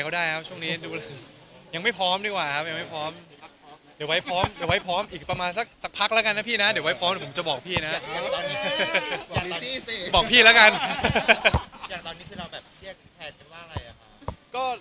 อย่างดันนี่คือเราแบบเรียกแถนกับว่าไรอะคะ